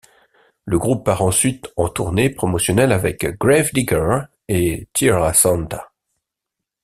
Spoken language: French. Le groupe part ensuite en tournée promotionnelle avec Grave Digger et Tierra Santa.